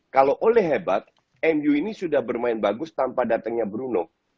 kalau oleh hebat mu ini sudah bermain bagus tanpa datangnya bruno